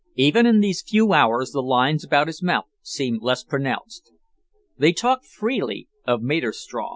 Even in these few hours the lines about his mouth seemed less pronounced. They talked freely of Maderstrom.